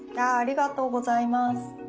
ありがとうございます。